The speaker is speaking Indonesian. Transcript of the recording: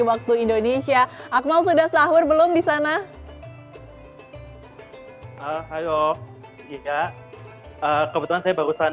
waktu indonesia akmal sudah sahur belum di sana halo iya kebetulan saya barusan